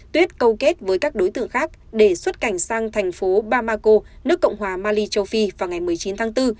tuyết câu kết với các đối tượng khác để xuất cảnh sang thành phố bamako nước cộng hòa mali châu phi vào ngày một mươi chín tháng bốn